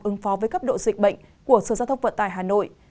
ứng phó với cấp độ dịch bệnh của sở giao thông vận tải hà nội